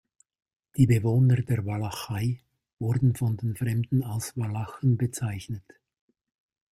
Die Bewohner der Walachei wurden von den Fremden als „Walachen“ bezeichnet.